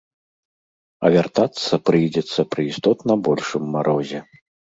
А вяртацца прыйдзецца пры істотна большым марозе.